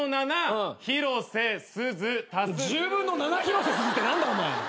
「１０分の７広瀬すず」って何だ？